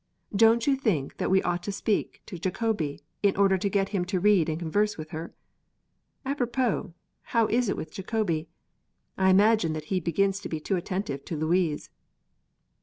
Don't you think that we ought to speak to Jacobi, in order to get him to read and converse with her? Apropos, how is it with Jacobi? I imagine that he begins to be too attentive to Louise."